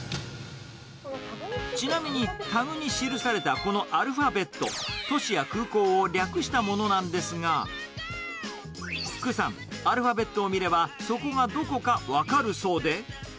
ちなみに、タグに記されたこのアルファベット、都市や空港を略したものなんですが、丘さん、アルファベットを見れば、そこがどこか分かるそうで。